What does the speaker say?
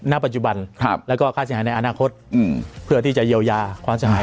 ณปัจจุบันแล้วก็ค่าเสียหายในอนาคตเพื่อที่จะเยียวยาความเสียหาย